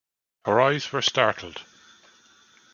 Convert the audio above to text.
Her eyes were startled.